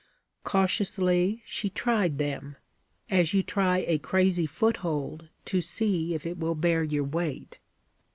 Cautiously she tried them as you try a crazy foothold to see if it will bear your weight.